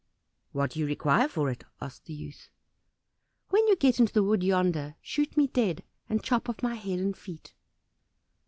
"What do you require for it?" asked the youth. "When you get into the wood yonder, shoot me dead, and chop off my head and feet."